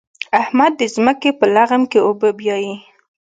احمد د ځمکې په لغم کې اوبه بيايي.